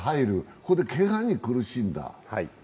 ここでけがに苦しんだ。